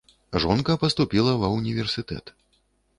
Жонка паступіла ва ўніверсітэт.